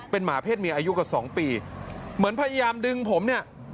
หมาเพศเมียอายุกว่าสองปีเหมือนพยายามดึงผมเนี่ย